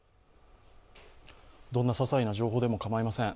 どんなささいな情報でも構いません。